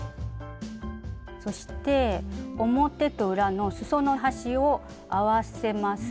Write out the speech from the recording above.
そして表と裏のすその端を合わせます。